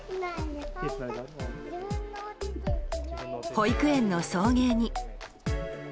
保育園の送迎に。